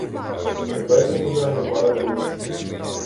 Тепер він уже ані пари з вуст.